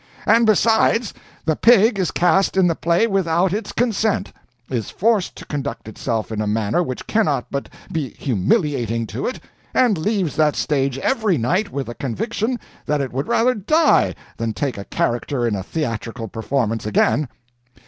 And besides, the pig is cast in the play without its consent, is forced to conduct itself in a manner which cannot but be humiliating to it, and leaves that stage every night with a conviction that it would rather die than take a character in a theatrical performance again.